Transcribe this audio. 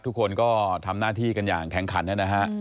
ทุกคนก็ทำหน้าที่กันอย่างแข่งขันนะฮะ